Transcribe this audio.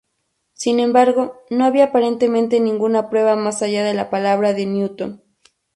Sin embargo, no había aparentemente ninguna prueba más allá de la palabra de Newton.